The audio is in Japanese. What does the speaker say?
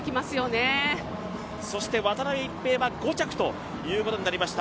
渡辺一平は５着ということになりました。